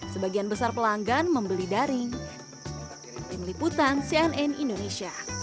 sebagian besar pelanggan membeli daring